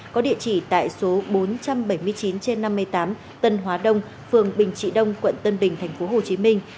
có địa chỉ tại số bốn trăm bảy mươi chín trên năm mươi tám tân hóa đông phường bình trị đông quận tân bình thành phố hồ chí minh